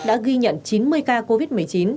đã ghi nhận chín mươi ca covid một mươi chín